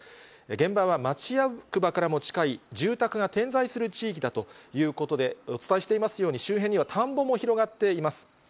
現場は町役場からも近い住宅が点在する地域だということで、お伝えしていますように、周辺には田んぼも広がっています。